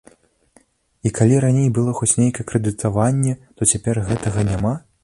І калі раней было хоць нейкае крэдытаванне, то цяпер гэтага няма?